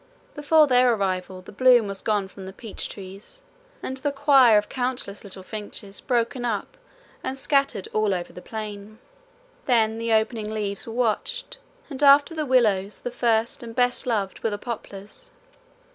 Before their arrival the bloom was gone from the peach trees, and the choir of countless little finches broken up and scattered all over the plain. Then the opening leaves were watched, and after the willows the first and best loved were the poplars.